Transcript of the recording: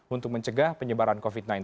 untuk mencegah penyebaran covid sembilan belas